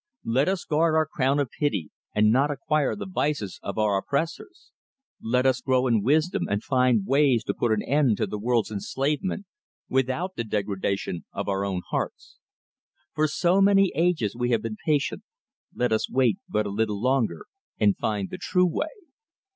Let us guard our crown of pity, and not acquire the vices of our oppressors. Let us grow in wisdom, and find ways to put an end to the world's enslavement, without the degradation of our own hearts. For so many ages we have been patient, let us wait but a little longer, and find the true way!